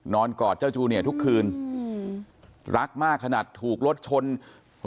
นอนกับเจ้าจูเนียทุกคืนรักมากขนาดถูกรถชนโรงพยาบาลสัตว์